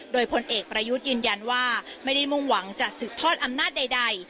โดยพลเอกประยุทธ์ยืนยันว่าไม่ได้มุ่งหวังจะสืบทอดอำนาจใด